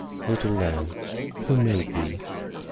Little Lamb, who made thee?